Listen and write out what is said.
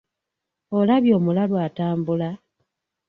Olabye omulalu atambula?